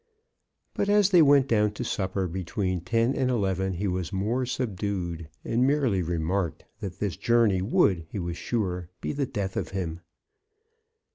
But as they went down to supper between ten and eleven he was more subdued, and merely remarked that this journey would, he was sure, be the death of him.